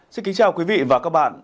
xin kính chào quý vị và các bạn